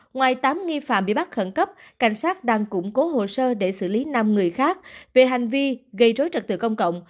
ngoài tám nghi phạm bị bắt khẩn cấp cảnh sát đang củng cố hồ sơ để xử lý năm người khác về hành vi gây rối trật tự công cộng